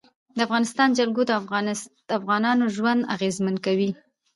د افغانستان جلکو د افغانانو ژوند اغېزمن کوي.